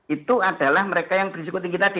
itu adalah mereka yang berisiko tinggi tadi